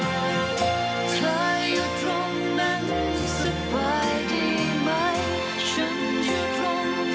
โรงกรีดพิเศษสุ่มนาฬิกาของธุรกิจ